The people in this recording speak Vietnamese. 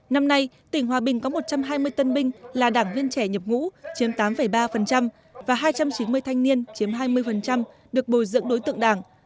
năm nay tỉnh hòa bình có một trăm hai mươi tân binh là đảng viên trẻ nhập ngũ chiếm tám ba và hai trăm chín mươi thanh niên chiếm hai mươi được bồi dưỡng đối tượng đảng